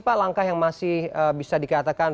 pak langkah yang masih bisa dikatakan